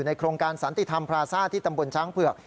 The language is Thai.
โครงการสันติธรรมพราซ่าที่ตำบลช้างเผือก